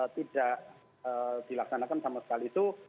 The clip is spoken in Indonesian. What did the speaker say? tidak dilaksanakan sama sekali itu